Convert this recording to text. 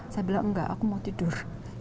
saya bilang enggak aku mau tidur